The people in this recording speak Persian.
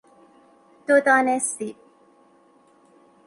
دو دانه سیب